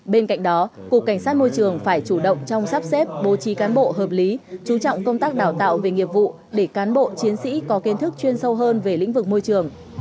bên cạnh đó cục cảnh sát môi trường phải chủ động trong sắp xếp bố trí cán bộ hợp lý chú trọng công tác đào tạo về nghiệp vụ để cán bộ chiến sĩ có kiến thức chuyên sâu hơn về lĩnh vực môi trường